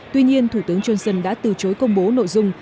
tuy nhiên thủ tướng trần sơn đã từ chối công bố nội dung